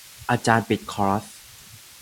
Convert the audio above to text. อาจารย์ปิดคอร์ส